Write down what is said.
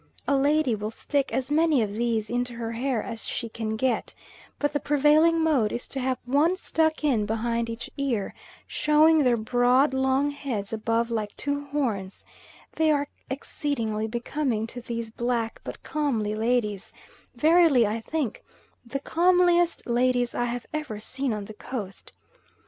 A lady will stick as many of these into her hair as she can get, but the prevailing mode is to have one stuck in behind each ear, showing their broad, long heads above like two horns; they are exceedingly becoming to these black but comely ladies, verily, I think, the comeliest ladies I have ever seen on the Coast.